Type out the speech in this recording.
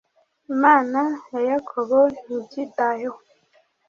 imana ya yakobo ntibyitayeho